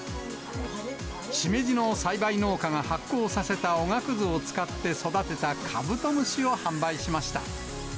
しめじの栽培農家が発酵させたおがくずを使って育てたカブトムシを販売しました。